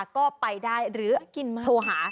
ก็ไปได้หรือกินโทรหา